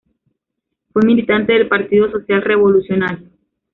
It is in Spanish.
Fue militante del Partido Social-Revolucionario.